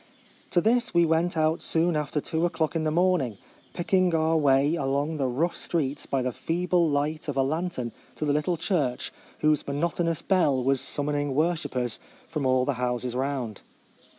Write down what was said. To this we went out soon after two o'clock in the morning, picking our way along the rough streets by the feeble light of a lantern to the little church whose monotonous bell was summoning worshippers from all the houses round.